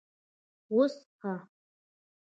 _وڅښه!